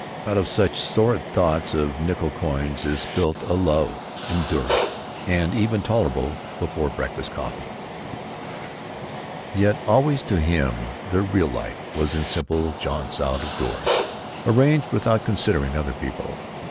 (Out of such sordid thoughts of nickel coins is built a love enduring, and even tolerable before breakfast coffee.) Yet always to him their real life was in simple jaunts out of doors, arranged without considering other people.